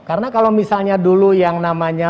karena kalau misalnya dulu yang namanya